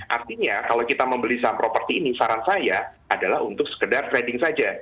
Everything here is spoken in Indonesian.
artinya kalau kita membeli saham properti ini saran saya adalah untuk sekedar trading saja